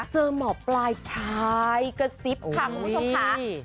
หมอปลายพายกระซิบค่ะคุณผู้ชมค่ะ